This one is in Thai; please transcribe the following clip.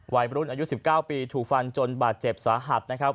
วัยรุ่นอายุ๑๙ปีถูกฟันจนบาดเจ็บสาหัสนะครับ